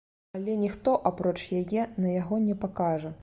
Але ніхто, апроч яе, на яго не пакажа.